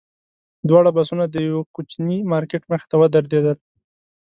دواړه بسونه د یوه کوچني مارکېټ مخې ته ودرېدل.